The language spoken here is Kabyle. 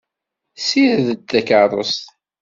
Ssired-d takeṛṛust.